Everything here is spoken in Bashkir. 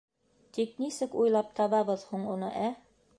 Тик нисек уйлап табабыҙ һуң уны, ә?